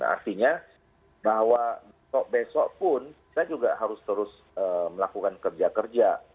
artinya bahwa besok pun kita juga harus terus melakukan kerja kerja